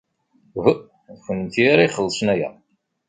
Uhu, d kennemti ara ixellṣen aya.